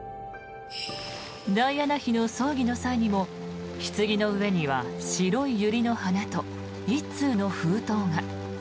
ダイアナ妃の葬儀の際にもひつぎの上には白いユリの花と１通の封筒が。